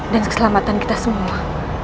dan keselamatan kita semua